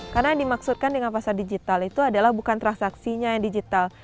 karena yang dimaksudkan dengan pasar digital itu adalah bukan transaksinya yang digital